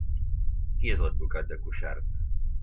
Qui és l'advocat de Cuixart?